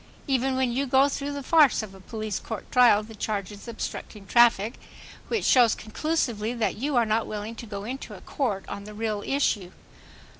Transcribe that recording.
Even when you go through the farce of a police court trial the charge is "obstructing traffic"; which shows conclusively that you are not willing to go into court on the real issue.